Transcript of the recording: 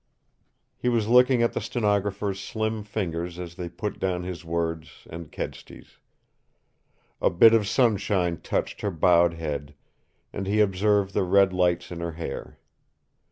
He was looking at the stenographer's slim fingers as they put down his words and Kedsty's. A bit of sunshine touched her bowed head, and he observed the red lights in her hair.